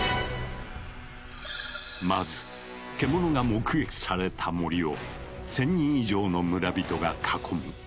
まず獣が目撃された森を１，０００人以上の村人が囲む。